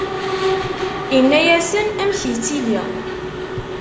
Inna-yasen: Amek yettili?